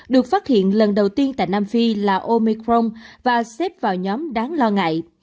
được phát hiện lần đầu tiên tại nam phi là omicron và xếp vào nhóm đáng lo ngại